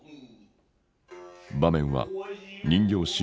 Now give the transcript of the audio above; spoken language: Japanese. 場面は人形師